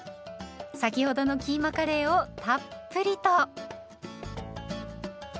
先ほどのキーマカレーをたっぷりと。